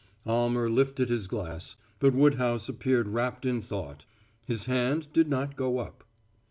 Almer lifted his glass, but Woodhouse appeared wrapped in thought; his hand did not go up.